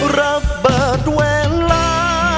รับเบิดเวลา